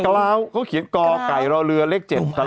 กะล้าวเขาเขียนกไก่รอเรือเลข๗กะล้าววะแหวน